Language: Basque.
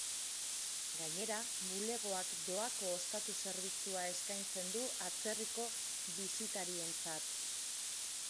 Gainera, bulegoak doako ostatu zerbitzua eskaintzen du atzerriko bisitarientzat.